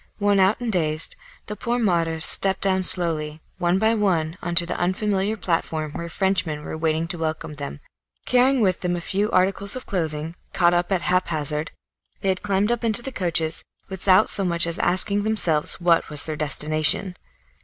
Worn out and dazed, the poor martyrs stepped down slowly, one by one, on to the unfamiliar platform where Frenchmen were waiting to welcome them. Carrying with them a few articles of clothing, caught up at haphazard, they had climbed up into the coaches without so much as asking themselves what was their destination.